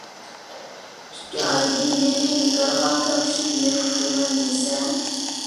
ئىككى ئايدىن بېرى بىكارغا كاپشىپ يۈرۈپتىمەن دېسە.